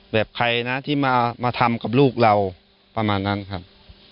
แบบใครนะที่มาทำกับลูกเราประมาณนั้นครับ